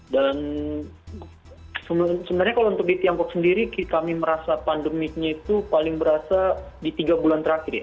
dan sebenarnya kalau untuk di tiongkok sendiri kami merasa pandeminya itu paling berasa di tiga bulan terakhir ya